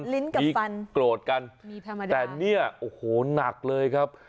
ลิ้นกับฟันโกรธกันแต่เนี่ยโอ้โหหนักเลยครับ